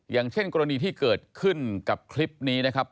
อย่างเช่นกรณีที่เกิดขึ้นกับคลิปนี้นะครับ